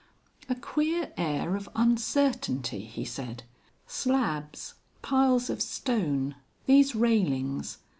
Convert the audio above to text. "A queer air of uncertainty," he said. "Slabs, piles of stone, these railings....